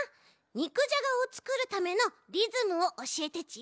にくじゃがをつくるためのリズムをおしえてち。